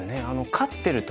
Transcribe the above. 勝ってる時？